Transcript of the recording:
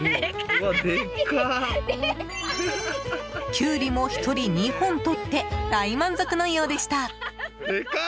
キュウリも１人２本取って大満足のようでした。